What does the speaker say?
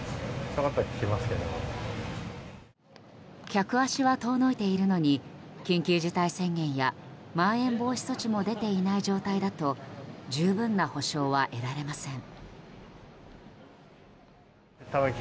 客足は遠のいているのに緊急事態宣言やまん延防止措置も出ていない状態だと十分な補償は得られません。